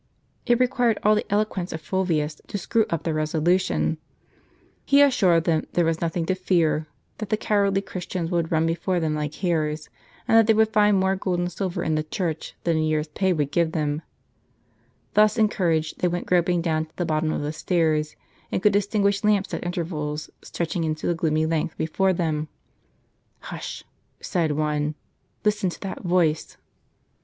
It required all the eloquence of Fulvius to screw up their resolution. He assured them there was nothing to fear ; that the cowardly Christians would run before them like hares, and that they would find more gold and silver in the church than a year's pay would give them. Thus encouraged, they went WVTl groping down to the bottom of the stairs. They could distin guish lamps at intervals, stretching into the gloomy length before them. " Hush !" said one, " listen to that voice !" An Altar with its Episcopal Chair, in the Cemetery of Saint Agnes.